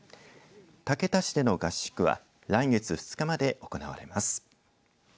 竹田市での合宿は来月２日まで行われます。